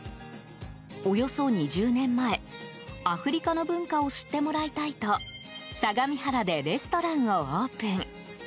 およそ２０年前アフリカの文化を知ってもらいたいと相模原でレストランをオープン。